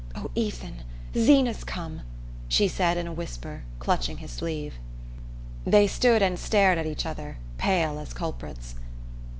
"Oh, Ethan Zeena's come," she said in a whisper, clutching his sleeve. They stood and stared at each other, pale as culprits.